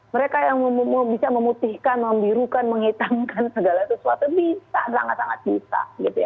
mereka yang bisa memutihkan membirukan menghitamkan segala sesuatu bisa sangat sangat bisa